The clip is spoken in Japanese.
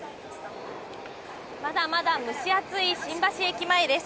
まだまだ蒸し暑い新橋駅前です。